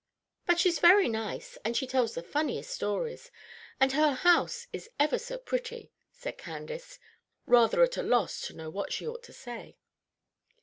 "But she's very nice, and she tells the funniest stories, and her house is ever so pretty," said Candace, rather at a loss to know what she ought to say.